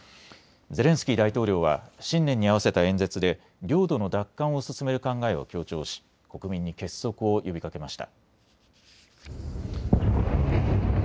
ゼレンスキー大統領は新年に合わせた演説で領土の奪還を進める考えを強調し国民に結束を呼びかけました。